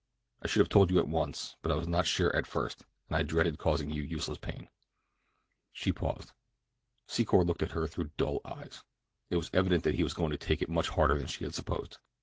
I should have told you at once, but I was not sure at first, and I dreaded causing you useless pain." She paused. Secor looked at her through dull eyes. It was evident that he was going to take it much harder than she had supposed.